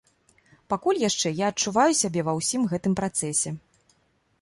Пакуль яшчэ я адчуваю сябе ва ўсім гэтым працэсе.